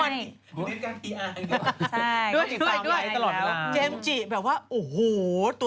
นางสู้ตาย